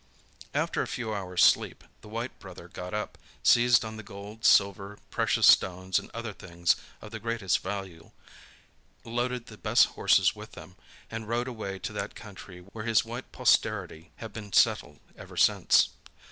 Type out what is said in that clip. After a few hours sleep, the white brother got up, seized on the gold, silver, precious stones, and other things of the greatest value, loaded the best horses with them, and rode away to that country where his white posterity have been settled ever since.